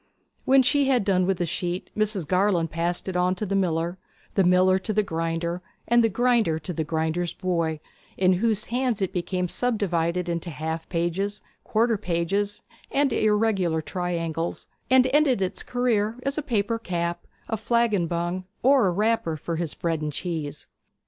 When she had done with the sheet Mrs. Garland passed it on to the miller, the miller to the grinder, and the grinder to the grinder's boy, in whose hands it became subdivided into half pages, quarter pages, and irregular triangles, and ended its career as a paper cap, a flagon bung, or a wrapper for his bread and cheese.